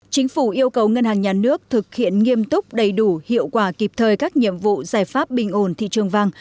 chính phủ yêu cầu ngân hàng nhà nước thực hiện nghiêm túc đầy đủ hiệu quả kịp thời các nhiệm vụ giải pháp bình ổn thị trường vàng